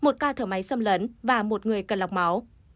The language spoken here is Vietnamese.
một ca thở máy xâm lấn và một người cần lọc máu